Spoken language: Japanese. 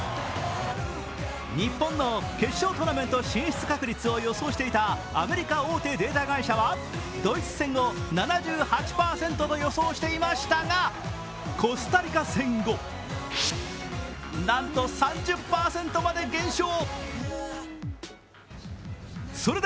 日本の決勝トーナメント進出確率を予想していたアメリカ大手データ会社はドイツ戦を７８％と予想していましたが、コスタリカ戦後、なんと３０％まで減少。